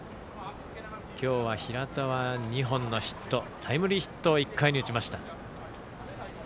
今日は平田は２本のヒットタイムリーヒットを１回に打ちました。